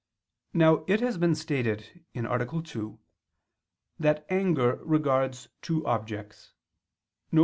Now it has been stated (A. 2) that anger regards two objects: viz.